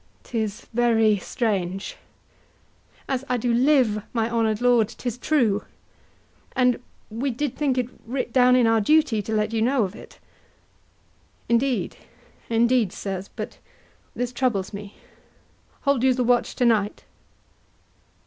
'Tis very strange. HORATIO. As I do live, my honour'd lord, 'tis true; And we did think it writ down in our duty To let you know of it. HAMLET. Indeed, indeed, sirs, but this troubles me. Hold you the watch tonight?